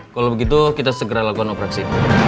kalau begitu kita segera lakukan operasi